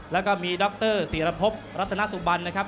แล้วก็มีดรศิรพบรัตนสุบันนะครับ